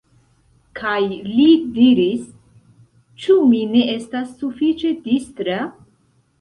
Kaj li diris: "Ĉu mi ne estas sufiĉe distra?